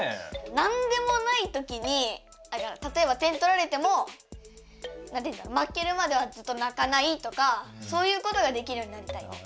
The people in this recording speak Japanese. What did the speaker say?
なんでもないときにたとえば点とられてもまけるまではずっと泣かないとかそういうことができるようになりたいです。